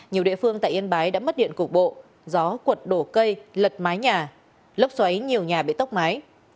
nhiều địa phương tại yên bái đã mất điện cục bộ gió cuột đổ cây lật mái nhà lốc xoáy nhiều nhà bị tốc mái